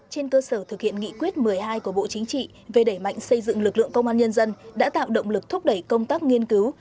trên cơ sở thực hiện nghị quyết một mươi hai của bộ chính trị về đẩy mạnh xây dựng lực lượng công an nhân dân đã tạo động lực thúc đẩy công tác nghiên cứu